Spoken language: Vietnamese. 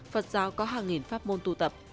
phật giáo có hàng nghìn pháp môn tu tập